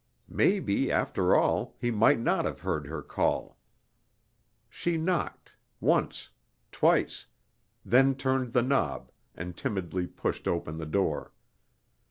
Maybe, after all, he might not have heard her call! She knocked, once, twice, then turned the knob and timidly pushed open the door.